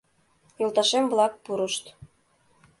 Йолташем-влак пурышт